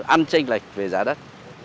ăn tranh lệch về giá đất